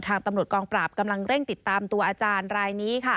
ทางตำรวจกองปราบกำลังเร่งติดตามตัวอาจารย์รายนี้ค่ะ